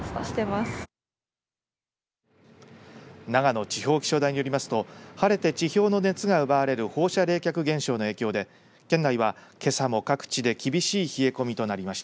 長野地方気象台によりますと晴れて地表の熱が奪われる放射冷却現象の影響で県内は、けさも各地で厳しい冷え込みとなりました。